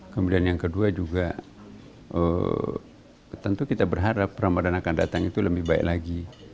kemudian yang kedua juga tentu kita berharap ramadan akan datang itu lebih baik lagi